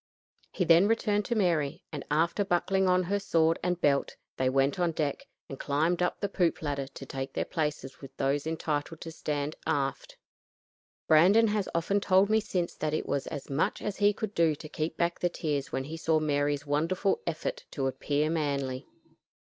He then returned to Mary, and after buckling on her sword and belt they went on deck and climbed up the poop ladder to take their places with those entitled to stand aft. Brandon has often told me since that it was as much as he could do to keep back the tears when he saw Mary's wonderful effort to appear manly.